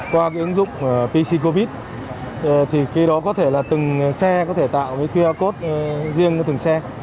qua cái ứng dụng pc covid thì cái đó có thể là từng xe có thể tạo với qr code riêng của từng xe